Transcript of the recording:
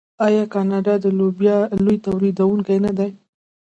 آیا کاناډا د لوبیا لوی تولیدونکی نه دی؟